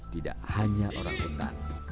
tidak hanya orangutan